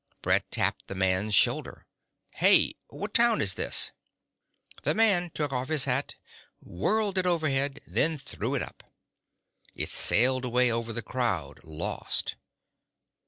Brett tapped the man's shoulder. "Hey! What town is this?" The man took off his hat, whirled it overhead, then threw it up. It sailed away over the crowd, lost.